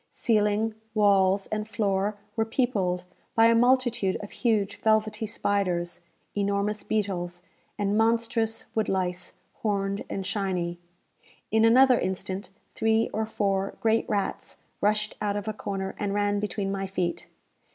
Ceiling, walls, and floor were peopled by a multitude of huge velvety spiders, enormous beetles, and monstrous wood lice, horned and shiny. In an another instant, three or four great rats rushed out of a corner, and ran between my feet.